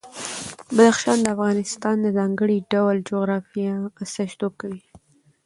بدخشان د افغانستان د ځانګړي ډول جغرافیه استازیتوب کوي.